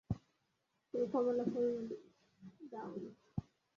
তুমি কমলা ফুল দাওনি।